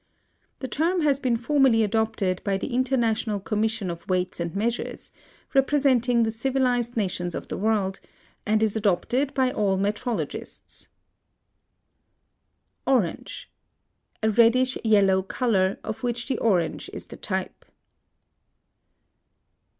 The term has been formally adopted by the International Commission of Weights and Measures, representing the civilized nations of the world, and is adopted by all metrologists. ORANGE. A reddish yellow color, of which the orange is the type.